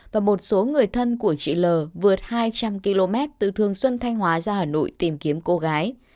và một số người thân của chị l vượt hai trăm linh km từ thường xuân thanh hóa ra hà nội tìm kiếm cô gái